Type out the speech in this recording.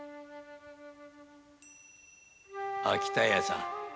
秋田屋さん